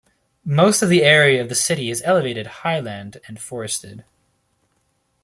Most of the area of the city is elevated highland and forested.